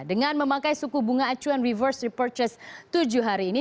dengan memakai suku bunga acuan reverse repurchase tujuh hari ini